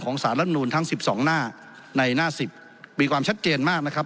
สารรับนูนทั้ง๑๒หน้าในหน้า๑๐มีความชัดเจนมากนะครับ